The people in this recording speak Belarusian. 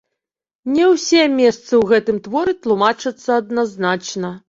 Не ўсе месцы ў гэтым творы тлумачацца адназначна.